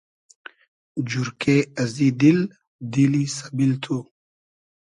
جورکې ازی دیل، دیلی سئبیل تو